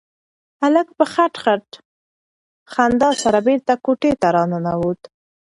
هلک په خټ خټ خندا سره بېرته کوټې ته راننوت.